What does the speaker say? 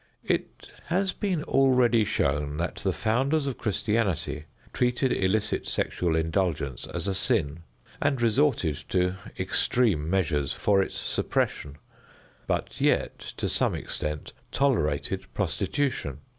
It has been already shown that the founders of Christianity treated illicit sexual indulgence as a sin, and resorted to extreme measures for its suppression, but yet, to some extent, tolerated prostitution.